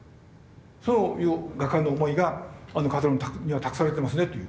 「そういう画家の思いがあの風車には託されてますね」と言う。